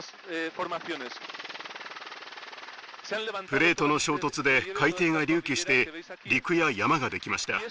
プレートの衝突で海底が隆起して陸や山ができました。